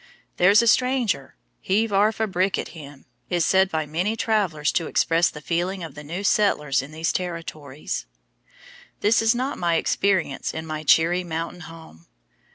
"There's a stranger! Heave arf a brick at him!" is said by many travelers to express the feeling of the new settlers in these Territories. This is not my experience in my cheery mountain home.